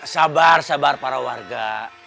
sabar sabar para warga